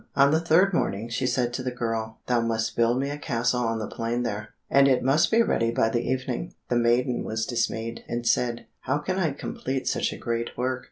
On the third morning she said to the girl, "Thou must build me a castle on the plain there, and it must be ready by the evening." The maiden was dismayed, and said, "How can I complete such a great work?"